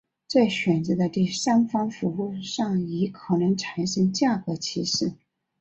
在选择的第三方服务上亦可能产生价格歧视。